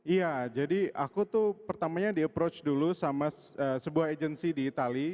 iya jadi aku tuh pertamanya di approach dulu sama sebuah agency di itali